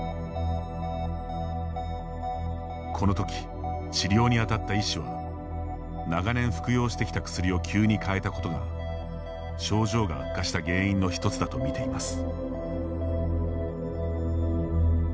このとき、治療に当たった医師は長年服用してきた薬を急に変えたことが症状が悪化した原因の一つだと見ています。